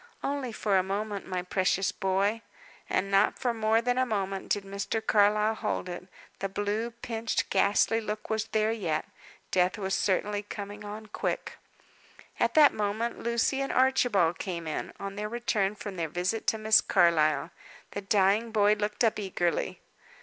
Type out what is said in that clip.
"Only for a moment, my precious boy." And not for more than a moment did Mr. Carlyle hold it. The blue, pinched, ghastly look was there yet. Death was certainly coming on quick. At that moment Lucy and Archibald came in, on their return from their visit to Miss Carlyle. The dying boy looked up eagerly.